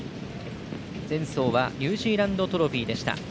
前走はニュージーランドトロフィーでした。